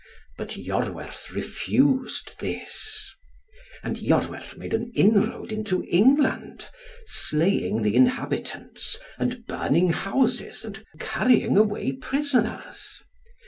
But Iorwerth refused this. And Iorwerth made an inroad into England, slaying the inhabitants, and burning houses, and carrying away prisoners.